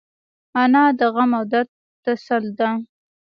انا د غم او درد تسل ده